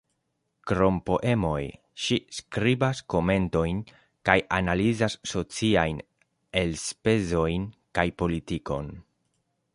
Krom poemoj ŝi skribas komentojn kaj analizas sociajn elspezojn kaj politikon.